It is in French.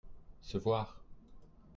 se voir.